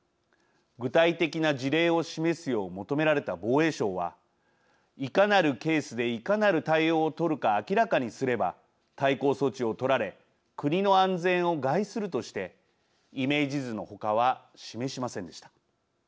具体的な事例を示すよう求められた防衛省はいかなるケースでいかなる対応を取るか明らかにすれば対抗措置を取られ国の安全を害するとしてイメージ図の他は示しませんでした。